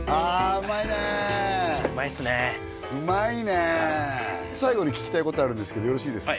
うまいねうまいっすねうまいね最後に聞きたいことあるんですけどよろしいですか？